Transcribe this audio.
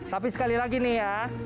tapi sekali lagi nih ya